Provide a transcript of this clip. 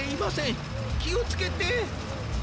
きをつけて。